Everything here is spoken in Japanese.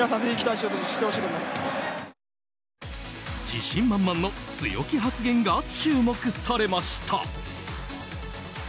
自信満々の強気発言が注目されました。